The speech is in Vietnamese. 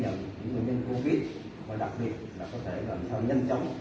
những nguyên nhân covid và đặc biệt là có thể làm cho nhanh chóng